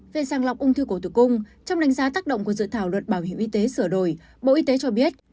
về sàng lọc ung thư cổ tử cung trong đánh giá tác động của dự thảo luật bảo hiểm y tế sửa đổi bộ y tế cho biết